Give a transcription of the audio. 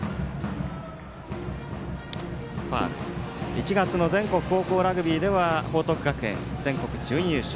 １月の全国高校ラグビーでは報徳学園、全国準優勝。